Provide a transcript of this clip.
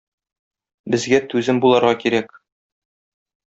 Безгә түзем булырга кирәк.